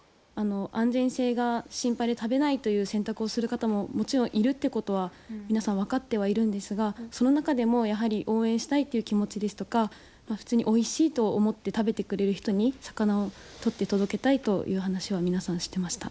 安全性が心配で食べないという選択をする方ももちろんいるってことは皆さん分かってはいるんですがその中でも、やはり応援したいっていう気持ちですとか普通においしいと思って食べてくれる人に魚を取って届けたいという話は皆さんしてました。